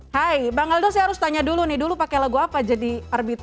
bang aldo saya harus tanya dulu nih dulu pakai lagu apa jadi rbt